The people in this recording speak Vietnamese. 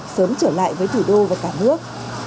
sớm trở lại với thủ đô và cả nước